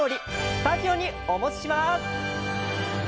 スタジオにお持ちします！